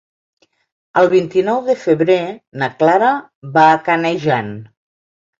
El vint-i-nou de febrer na Clara va a Canejan.